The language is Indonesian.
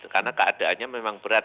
karena keadaannya memang berat